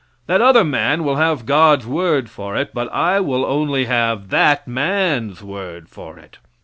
That other man will have God's word for it but I will only have that man's word for it.